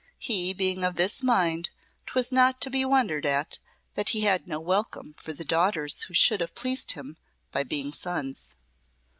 He being of this mind, 'twas not to be wondered at that he had no welcome for the daughters who should have pleased him by being sons.